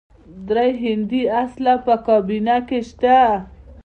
درې هندي الاصله هم په کابینه کې شته.